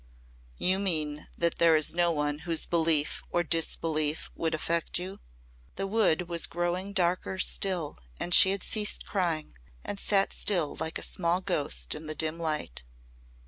"You mean that there is no one whose belief or disbelief would affect you?" The Wood was growing darker still and she had ceased crying and sat still like a small ghost in the dim light.